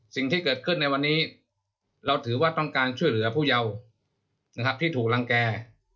สิ่งที่เกิดขึ้นในวันนี้เราถือว่าต้องการช่วยเหลือผู้เยาว์ที่ถูกรังแก่